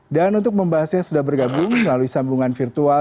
dan untuk membahasnya sudah bergabung melalui sambungan virtual